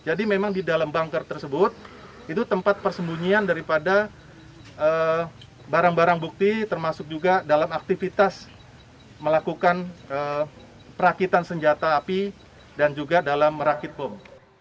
jadi memang di dalam bangker tersebut itu tempat persembunyian daripada barang barang bukti termasuk juga dalam aktivitas melakukan perakitan senjata api dan juga dalam merakit bom